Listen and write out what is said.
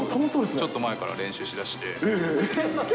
ちょっと前から練習しだして。